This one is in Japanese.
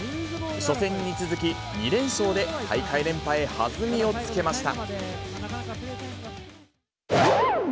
初戦に続き、２連勝で大会連覇へ弾みをつけました。